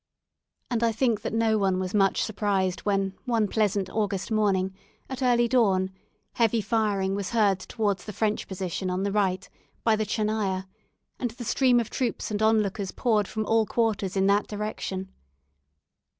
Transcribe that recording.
And I think that no one was much surprised when one pleasant August morning, at early dawn, heavy firing was heard towards the French position on the right, by the Tchernaya, and the stream of troops and on lookers poured from all quarters in that direction.